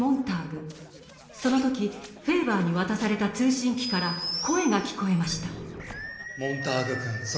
その時フェーバーに渡された通信機から声が聞こえました。